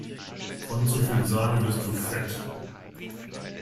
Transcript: Von zu viel Sahne wirst du fett!